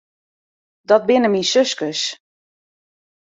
Dat binne myn suskes.